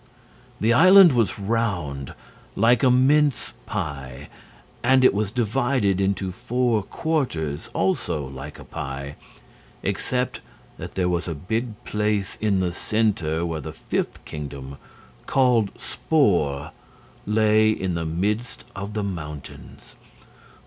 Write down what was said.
The island was round like a mince pie. And it was divided into four quarters also like a pie except that there was a big place in the center where the fifth kingdom, called Spor, lay in the midst of the mountains.